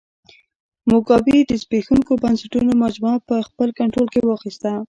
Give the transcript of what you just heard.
موګابي د زبېښونکو بنسټونو مجموعه په خپل کنټرول کې واخیسته.